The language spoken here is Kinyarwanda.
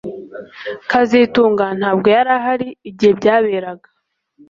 kazitunga ntabwo yari ahari igihe byaberaga